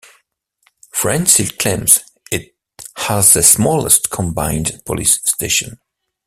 Friend still claims it has the smallest combined police station.